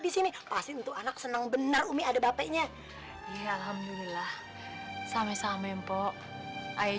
di sini pasti tentu anak senang benar umi ada bapenya iya alhamdulillah same same mpok ayah